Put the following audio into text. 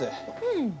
うん。